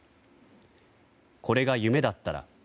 これが夢だったら。